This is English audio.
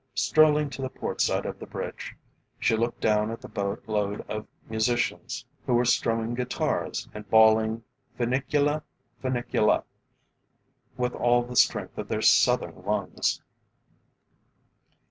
Strolling to the port side of the bridge, she looked down at the boat load of musicians who were strumming guitars, and bawling "Finiculi Finicula," with all the strength of their Southern lungs.